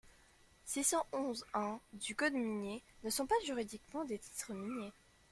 six cent onze-un du code minier ne sont pas juridiquement des titres miniers.